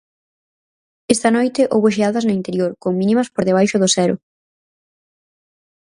Esta noite houbo xeadas no interior, con mínimas por debaixo de cero.